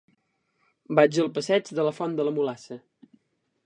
Vaig al passeig de la Font de la Mulassa.